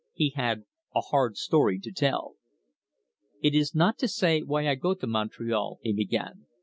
He had a hard story to tell. "It is not to say why I go to Montreal," he began.